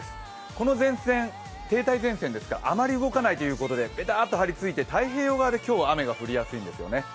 この前線、停滞前線であまり動かないということでべたっと張りついて、太平洋側で今日、雨が降りやすいんですよね。